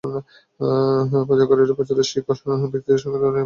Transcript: পাচারকারীরা পাচারের শিকার ব্যক্তিদের সঙ্গে নিয়েই পালিয়ে বেড়াচ্ছে বলে মনে করছেন তাঁরা।